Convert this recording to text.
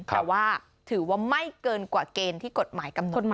แต่ว่าถือว่าไม่เกินกว่าเกณฑ์ที่กฎหมายกำหนดมา